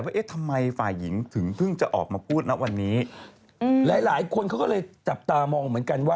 ระหว่างผู้ชายกับผู้หญิง